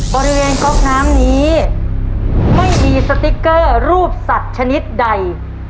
ก๊อกน้ำนี้ไม่มีสติ๊กเกอร์รูปสัตว์ชนิดใด